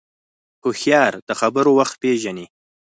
هوښیار د خبرو وخت پېژني